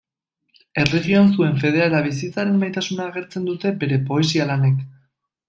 Erlijioan zuen fedea eta bizitzaren maitasuna agertzen dute bere poesia-lanek.